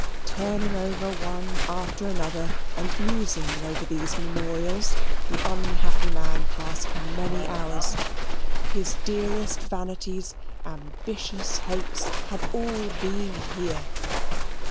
Turning one over after another, and musing over these memorials, the unhappy man passed many hours. His dearest vanities, ambitious hopes, had all been here.